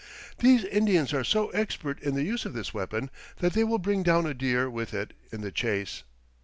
These Indians are so expert in the use of this weapon that they will bring down a deer with it in the chase.